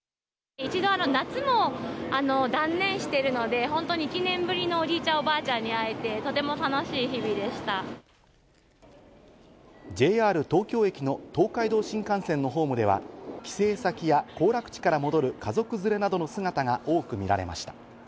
一度、夏も断念してるので、本当に１年ぶりのおじいちゃん、おばあちゃんに会えて、とても楽ＪＲ東京駅の東海道新幹線のホームでは、帰省先や行楽地から戻る家族連れなどの姿が多く見られました。